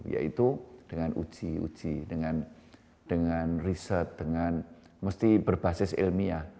yaitu dengan uji uji dengan riset dengan mesti berbasis ilmiah